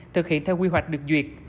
thực hiện theo quy hoạch được duyệt